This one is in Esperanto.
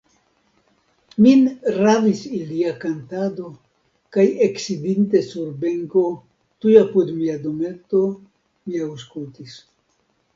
Min ravis ilia kantado, kaj eksidinte sur benko tuj apud mia dometo, mi aŭskultis.